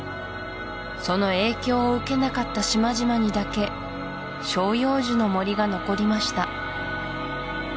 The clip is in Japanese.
その影響を受けなかった島々にだけ照葉樹の森が残りました